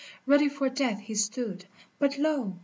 \l Ready for death he stood, but lo